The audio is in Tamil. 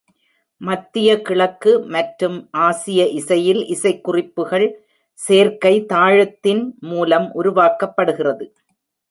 மத்திய கிழக்கு மற்றும் ஆசிய இசையில் இசைக்குறிப்புகள் சேர்க்கை தாளத்தின் மூலம் உருவாக்கப்படுகிறது.